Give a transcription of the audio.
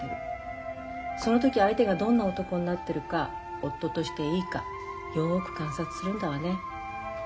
その時相手がどんな男になってるか夫としていいかよく観察するんだわね。